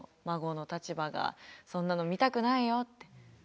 孫の立場がそんなの見たくないよって。